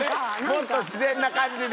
もっと自然な感じで。